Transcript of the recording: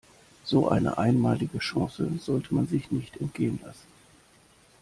So eine einmalige Chance sollte man sich nicht entgehen lassen.